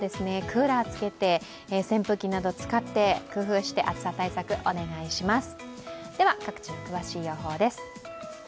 クーラーつけて扇風機など使って工夫して、暑さ対策、お願いします。